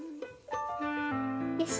よし！